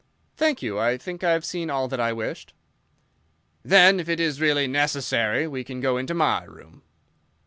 "Thank you, I think I have seen all that I wished." "Then if it is really necessary we can go into my room."